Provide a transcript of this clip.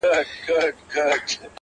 o بدكارمو كړی چي وركړي مو هغو ته زړونه؛